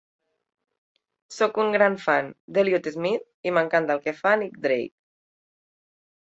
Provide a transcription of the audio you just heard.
Soc un gran fan d'Elliott Smith i m'encanta el que fa Nick Drake.